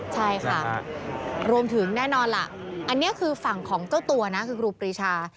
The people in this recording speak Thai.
ใช่ค่ะรวมถึงแน่นอนล่ะอันนี้คือฝั่งของเจ้าตัวนะคือครูปรีชา